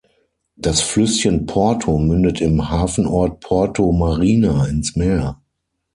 Das Flüsschen Porto mündet im Hafenort Porto-Marina ins Meer.